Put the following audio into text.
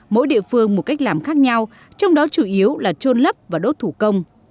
mỗi địa phương một cách làm khác nhau trong đó chủ yếu là trôn lấp và đốt thủ công